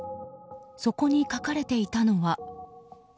そこに書かれていたのは。